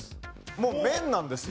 もう麺なんですよ。